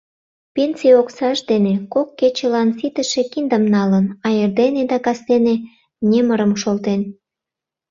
Пенсий оксаж дене кок кечылан ситыше киндым налын, а эрдене да кастене немырым шолтен.